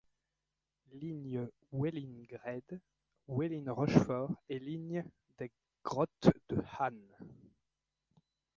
Lignes Wellin - Graide, Wellin - Rochefort et ligne des grottes de Han.